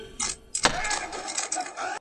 ستا په نوم چي یې لیکمه لیک په اوښکو درلېږمه.